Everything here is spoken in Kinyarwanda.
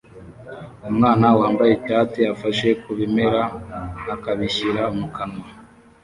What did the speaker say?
Umwana wambaye icyatsi afashe ku bimera akabishyira mu kanwa